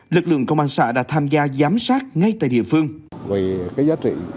lực lượng công an xã đã tham gia giám sát ngay tại địa phương